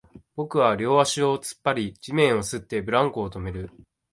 僕は両足を突っ張り、地面を擦って、ブランコを止める